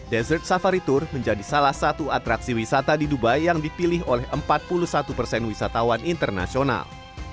dessert safari tour menjadi salah satu atraksi wisata di dubai yang dipilih oleh empat puluh satu persen wisatawan internasional